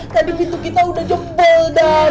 tadi pintu kita udah jempol dam